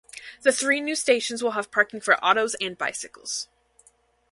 The three new stations will have parking for autos and bicycles.